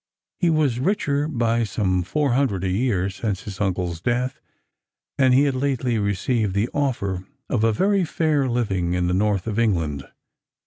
He was richer by some four hundred a year since his uncle's death, and he had lately received the offer of a very fair living in the north of England.